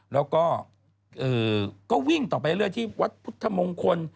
แล้วก็วิ่งต่อไปเรื่อยที่วัดพุทธมงคล